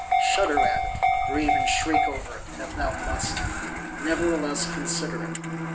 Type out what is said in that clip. Shudder at it; or even shriek over it, if thou must; nevertheless consider it.